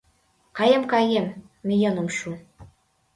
Каем-каем — миен ом шу